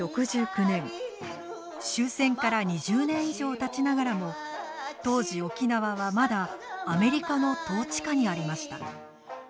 終戦から２０年以上たちながらも当時沖縄はまだアメリカの統治下にありました。